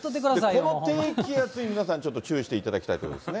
この低気圧にちょっと注意していただきたいということですね。